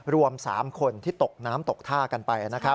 รวม๓คนที่ตกน้ำตกท่ากันไป